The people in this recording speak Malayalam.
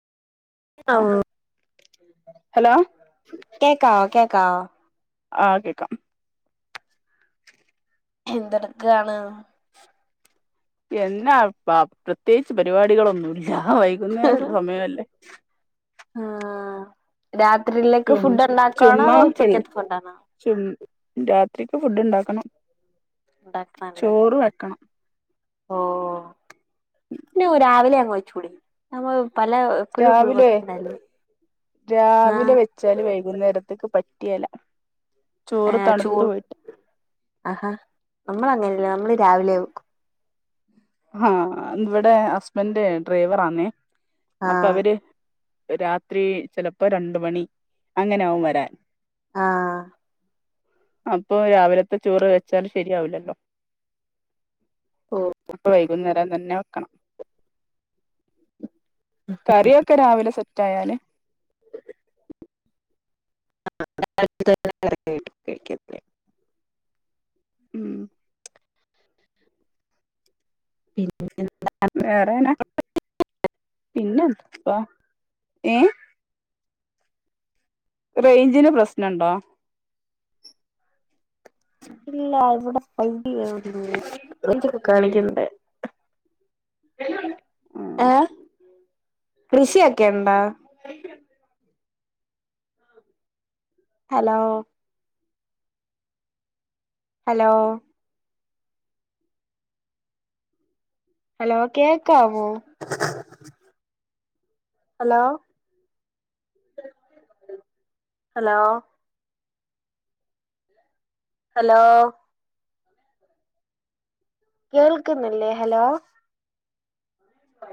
ഔ ഹലോ ക്ക കേക്കാ ആ കേക്കാം എന്തട് ക്കാണ് എന്നാ പ പ്രത്യേകിച്ച് പരിപാടികളൊന്നുല്ല ഞാ വൈകുന്നേര സമയല്ലേ ആ രാത്രിയിലേക്ക് ചും ഫുഡ് ണ്ടാക്കാണോ ചുമ്മാ അതോ പിൾ ഉച്ചക്കത്തെ ഫുഡാണോ ത്രിക്ക് ഫുഡ്ണ്ടാക്കണം ഉണ്ടാക്കണല്ലേ ചോറ് വെക്കണം ഓ ന്നെ രാവിലെ അങ് വച്ചൂടെ ന രാവിലെ രാവിലെ ആഹ് വെച്ചാല് വൈകുന്നേരത്ത്‌ക്ക് പ കിയല ചോറ് ഏഹ് ചൂ തണുത്ത്‌ പോയിട്ട് നമ്മള് അങ്ങനല്ല നമ്മള് രാവിലെ വെക്കും ആ ഇവിടെ ഹസ്ബൻന്റെ ഡ്രൈവറാന്നേ അപ്പ ആഹ് അവര് രാത്രി ചെലപ്പ രണ്ട് മണി അങ്ങനാവും വരാൻ ആ അപ്പൊ രാവിലത്തെ ചോറ് വെച്ചാല് ശരിയാവില്ലല്ലോ ഓ അപ്പ വൈകുന്നേരം തന്നെ വെക്കണം കറിയോക്കെ രാവിലെ സെറ്റായാല് [unintelligible] ഉം പിന്നെന്താ വേറെനാ പിന്നെന്താപ്പ ഏ റേഞ്ചിന് പ്രശ്നണ്ടോ ഇല്ല [unintelligible] [unintelligible] ആഹ് ഏ കൃഷിയൊക്കെണ്ട് ഹലോ ഹലോ ഹലോ കേക്കാവോ ഹലോ ഹലോ ഹലോ കേൾക്കുന്നില്ലേ ഹലോ